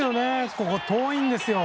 ここ、遠いんですよ。